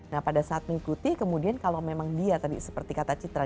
nah pada saat mengikuti kemudian kalau memang dia tadi seperti kata citra